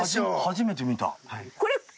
初めて見た。